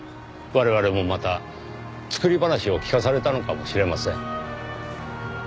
我々もまた作り話を聞かされたのかもしれません。